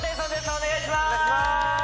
お願いします